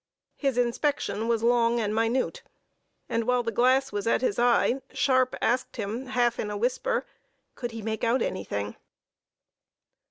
His inspection was long and minute, and, while the glass was at his eye, Sharpe asked him half in a whisper, could he make out anything?